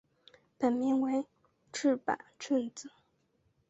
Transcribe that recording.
本名为赤坂顺子。